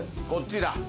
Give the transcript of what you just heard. こちら。